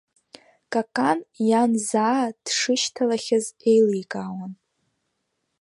Какан иан заа дшышьҭалахьаз еиликаауан.